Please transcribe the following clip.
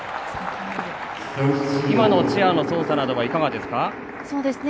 今のチェアの操作などはいかがですか？